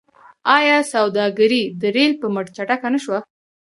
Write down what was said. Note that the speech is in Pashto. آیا سوداګري د ریل په مټ چټکه نشوه؟